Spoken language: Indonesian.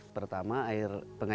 pertama untuk mengairi sawah